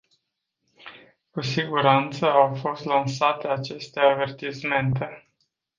Cu siguranță au fost lansate aceste avertismente.